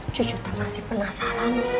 cucu terlasih penasaran